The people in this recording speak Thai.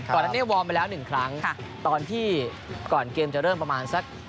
ก่อนนั้นเนี่ยวอร์มไปแล้วหนึ่งครั้งตอนที่ก่อนเกมจะเริ่มประมาณสัก